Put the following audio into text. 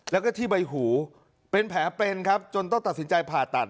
แล้วก็ที่ใบหูเป็นแผลเป็นครับจนต้องตัดสินใจผ่าตัด